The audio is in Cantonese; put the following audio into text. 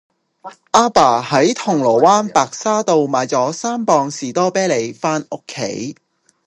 亞爸喺銅鑼灣白沙道買左三磅士多啤梨返屋企